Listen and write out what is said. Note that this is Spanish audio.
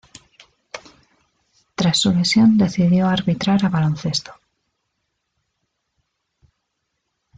Tras su lesión decidió arbitrar a baloncesto.